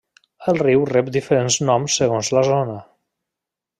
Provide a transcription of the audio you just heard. El riu rep diferents noms segons la zona.